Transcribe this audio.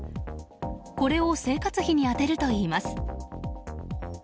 これを生活費に充てるといいます。